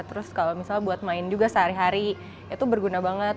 terus kalau misalnya buat main juga sehari hari itu berguna banget